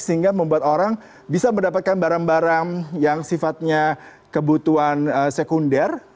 sehingga membuat orang bisa mendapatkan barang barang yang sifatnya kebutuhan sekunder